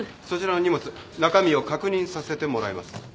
そちらの荷物中身を確認させてもらいます。